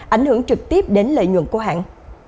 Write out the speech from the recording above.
ảnh hưởng trực tiếp đến lợi nhuận của hãng